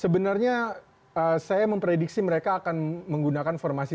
sebenarnya saya memprediksi mereka akan menggunakan formasi satu empat dua tiga satu